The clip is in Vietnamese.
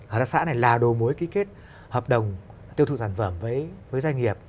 hợp tác xã này là đồ mối ký kết hợp đồng tiêu thụ sản phẩm với doanh nghiệp